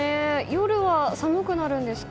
夜は寒くなるんですか？